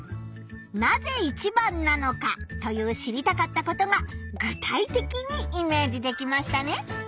「なぜ一番なのか」という知りたかったことが具体的にイメージできましたね。